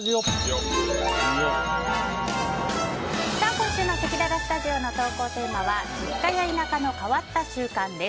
今週のせきららスタジオの投稿テーマは実家や田舎の変わった習慣です。